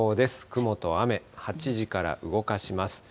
雲と雨、８時から動かします。